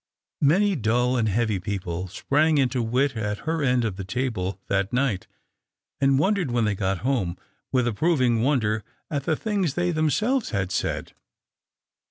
Many dull and heavy people sprang into wit at her end of the table that night, and wondered, when they got home, with approving wonder at the things they themselves had said.